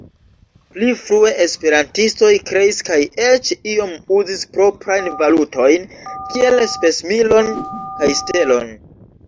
Pli frue esperantistoj kreis kaj eĉ iom uzis proprajn valutojn kiel Spesmilon kaj Stelon.